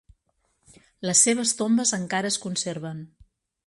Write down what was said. Les seves tombes encara es conserven.